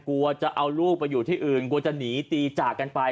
กลัวจะเอาลูกไปอยู่ที่อื่นกลัวจะหนีตีจากกันไป